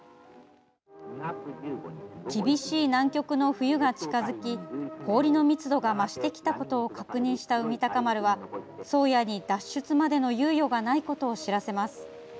厳しい南極の冬が近づき氷の密度が増してきたことを確認した「海鷹丸」は「宗谷」に脱出までの猶予がないことを知らせます。